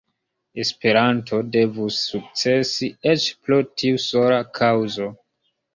Esperanto devus sukcesi eĉ pro tiu sola kaŭzo.